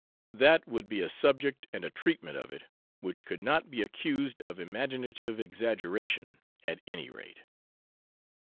That would be a subject, and a treatment of it, which could not be accused of imaginative exaggeration, at any rate.